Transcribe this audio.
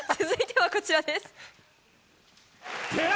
続いては、こちらです。